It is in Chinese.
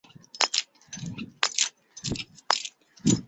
墓内有画像石并绘有壁画。